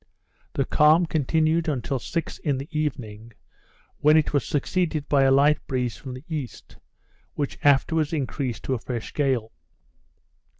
The calm continued till six in the evening, when it was succeeded by a light breeze from the east, which afterwards increased to a fresh gale.